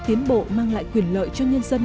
tiến bộ mang lại quyền lợi cho nhân dân